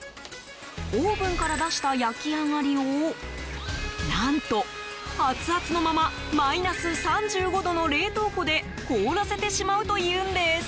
オーブンから出した焼き上がりを何と、熱々のままマイナス３５度の冷凍庫で凍らせてしまうというんです。